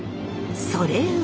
それは。